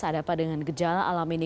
ada apa dengan gejala alam ini